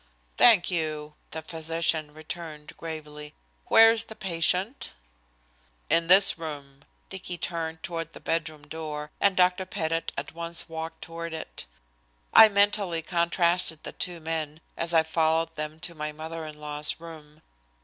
"Thank you," the physician returned gravely. "Where is the patient?" "In this room." Dicky turned toward the bedroom door, and Dr. Pettit at once walked toward it. I mentally contrasted the two men as I followed them to my mother in law's room.